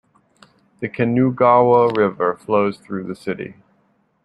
The Kinugawa River flows through the city.